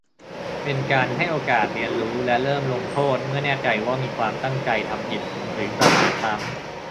เป็นการให้โอกาสเรียนรู้ และเริ่มลงโทษเมื่อแน่ใจว่ามีความตั้งใจทำผิดหรือประมาทซ้ำ